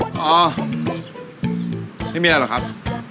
อ๋อไม่มีอะไรหรอกครับ